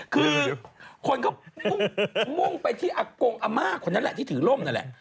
คือคนก็มุ่งไปที่อากงอาม่าคนนั้นแหละที่ถือร่มนั่นแหละ